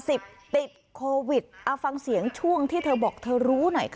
ติดโควิดเอาฟังเสียงช่วงที่เธอบอกเธอรู้หน่อยค่ะ